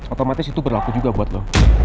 otomatis itu berlaku juga buat lo